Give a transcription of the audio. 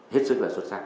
hết sức là xuất sắc